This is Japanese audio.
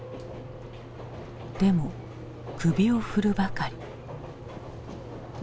でも首を振るばかり。